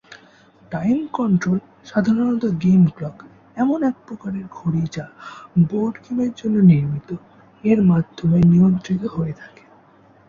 Time control সাধারণত game clock, এমন এক প্রকারের ঘড়ি যা বোর্ড গেমের জন্য নির্মিত, এর মাধ্যমে নিয়ন্ত্রিত হয়ে থাকে।